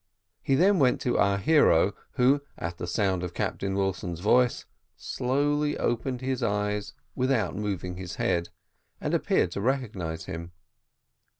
He then went to our hero, who, at the sound of Captain Wilson's voice, slowly opened his eyes without moving his head, and appeared to recognise him.